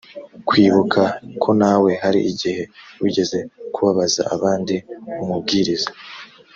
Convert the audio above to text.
kwibuka ko nawe hari igihe wigeze kubabaza abandi umubwiriza